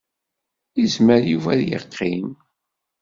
Yezmer Yuba ad yeqqim.